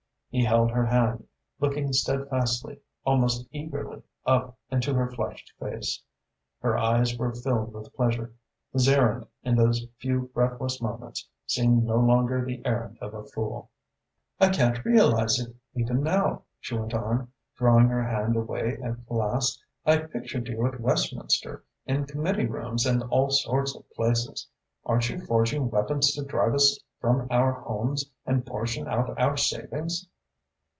He held her hand, looking steadfastly, almost eagerly, up into her flushed face. Her eyes were filled with pleasure. His errand, in those few breathless moments, seemed no longer the errand of a fool. "I can't realise it, even now," she went on, drawing her hand away at last. "I pictured you at Westminster, in committee rooms and all sorts of places. Aren't you forging weapons to drive us from our homes and portion out our savings?"